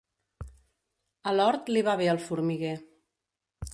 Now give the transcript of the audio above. A l'hort li va bé el formiguer.